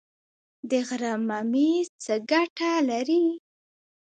د غره ممیز څه ګټه لري؟